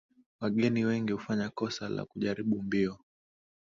Wageni wengi hufanya kosa la kujaribu mbio